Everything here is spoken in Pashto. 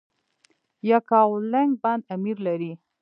یکاولنګ بند امیر لري؟